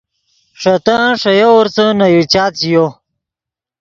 ݰے تن ݰے یوورسے نے یو چات ژیو۔